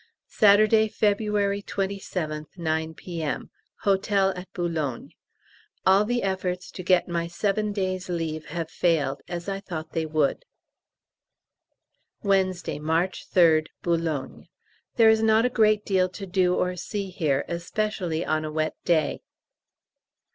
Saturday, February 27th, 9 P.M., Hotel at Boulogne. All the efforts to get my seven days' leave have failed, as I thought they would. Wednesday, March 3rd, Boulogne. There is not a great deal to do or see here, especially on a wet day.